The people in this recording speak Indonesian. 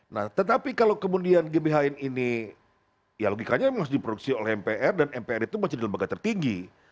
nah tetapi kalau kemudian gbhn ini ya logikanya memang harus diproduksi oleh mpr dan mpr itu masih di lembaga tertinggi